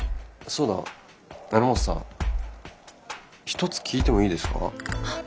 そうだ榎本さん一つ聞いてもいいですか？